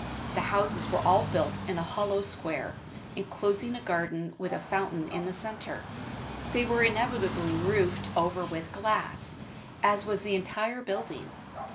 The houses were all built in a hollow square, enclosing a garden with a fountain in the center. These were invariably roofed over with glass, as was the entire building.